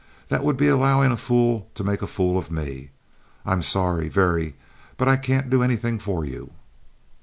That would be allowing a fool to make a fool of me. I'm sorry, very, but I can't do anything for you."